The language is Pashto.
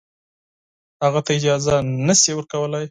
هغه ته اجازه نه شي ورکولای.